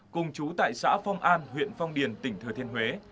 cùng chú tại xã phong an huyện phong điền tỉnh thừa thiên huế